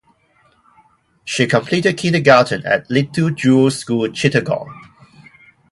She completed kindergarten at Little Jewels School Chittagong.